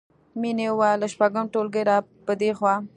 مینې وویل له شپږم ټولګي راپدېخوا